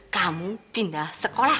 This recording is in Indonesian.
kamu pindah sekolah